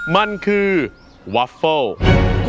มันคือวอฟเฟิล